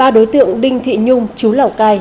ba đối tượng đinh thị nhung chú lào cai